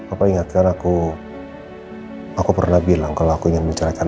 apa ingatkan aku aku pernah bilang kalau aku ingin membicarakan